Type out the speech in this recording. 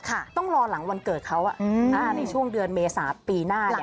ต้องรอหลังวันเกิดเขาอ่าในช่วงเดือนเมษาปีหน้าแล้ว